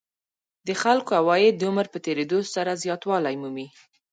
د خلکو عواید د عمر په تېرېدو سره زیاتوالی مومي